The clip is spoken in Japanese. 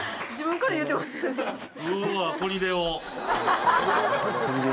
うわ。